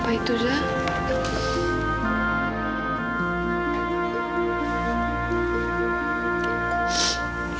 apa itu zak